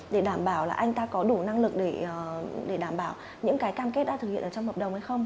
để đảm bảo là anh ta có đủ năng lực để đảm bảo những cái cam kết đã thực hiện ở trong hợp đồng hay không